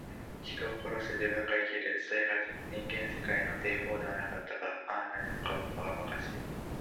人を殺して自分が生きる。それが人間世界の定法ではなかったか。ああ、何もかも、ばかばかしい。